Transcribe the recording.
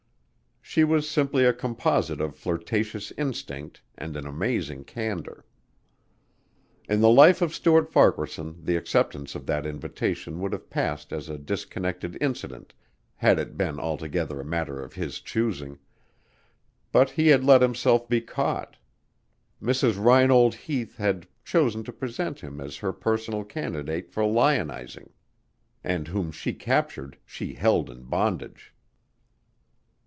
She was simply a composite of flirtatious instinct and an amazing candor. In the life of Stuart Farquaharson the acceptance of that invitation would have passed as a disconnected incident had it been altogether a matter of his choosing, but he had let himself be caught. Mrs. Reinold Heath had chosen to present him as her personal candidate for lionizing and whom she captured she held in bondage.